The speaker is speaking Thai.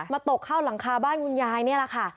ตกเข้าหลังคาบ้านคุณยายนี่แหละค่ะ